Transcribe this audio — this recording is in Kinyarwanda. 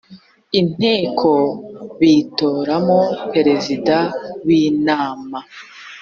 inteko bitoramo perezida w inama